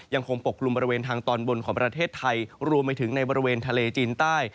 ปกลุ่มบริเวณทางตอนบนของประเทศไทยรวมไปถึงในบริเวณทะเลจีนใต้